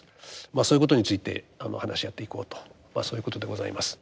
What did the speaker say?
まあそういうことについて話し合っていこうとまあそういうことでございます。